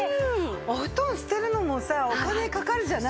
お布団捨てるのもさお金かかるじゃない？